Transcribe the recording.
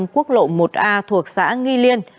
quốc lộ một a thuộc xã nghi liên